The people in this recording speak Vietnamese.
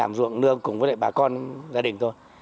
làm ruộng nương cùng với lại bà con gia đình thôi